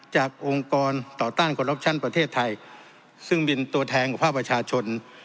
จากองค์กรต่อต้านประเทศไทยซึ่งเป็นตัวแทนของภาพประชาชน